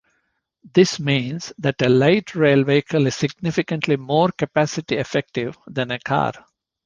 This means that a light rail vehicle is significantly more capacity-effective than a car.